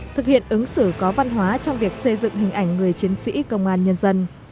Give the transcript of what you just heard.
thực hiện ứng xử có văn hóa trong việc xây dựng hình ảnh người chiến sĩ công an nhân dân